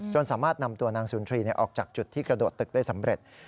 สามารถนำตัวนางสุนทรีย์ออกจากจุดที่กระโดดตึกได้สำเร็จ